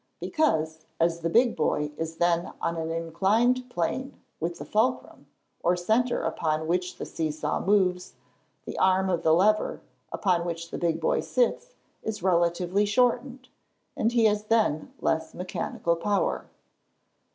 _ Because, as the big boy is then on an inclined plane with the fulcrum, or centre upon which the see saw moves, the arm of the lever, upon which the big boy sits, is relatively shortened, and he has then less mechanical power.